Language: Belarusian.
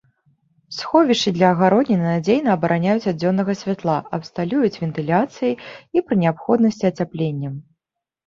Сховішчы для агародніны надзейна абараняюць ад дзённага святла, абсталююць вентыляцыяй і, пры неабходнасці, ацяпленнем.